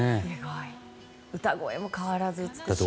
歌声も変わらず美しい。